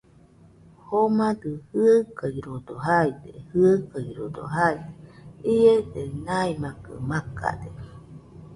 Jomadɨ jɨaɨkaɨrodo jaide, jaɨkaɨrodo jaide. Iese maimakɨ makade.